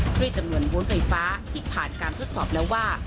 ด้วยจำนวนบูธไฟฟ้าที่ผ่านการทดสอบแล้วว่า